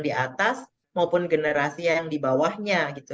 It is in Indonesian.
di atas maupun generasi yang di bawahnya gitu